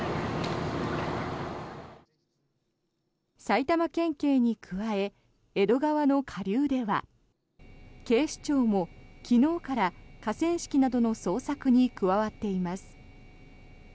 埼玉県警に加え江戸川の下流では警視庁も昨日から河川敷などの捜索に加わっています。